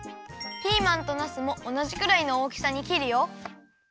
ピーマンとなすもおなじくらいのおおきさに切るよ。